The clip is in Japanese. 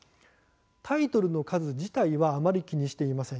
タイトルの数自体はあまり気にしていません。